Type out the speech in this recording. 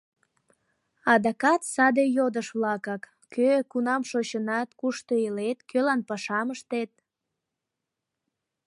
Адакат саде йодыш-влакак: кӧ, кунам шочынат, кушто илет, кӧлан пашам ыштет?